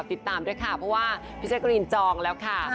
ติดตามด้วยค่ะเพราะว่าพี่แจ๊กรีนจองแล้วค่ะ